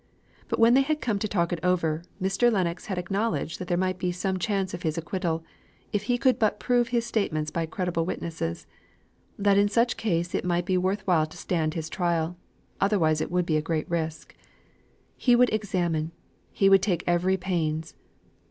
But when they had come to talk it over, Mr. Lennox had acknowledged that there might be some chance of his acquittal, if he could but prove his statements by credible witnesses that in such case it might be worth while to stand his trial, otherwise it would be a great risk. He would examine he would take every pains.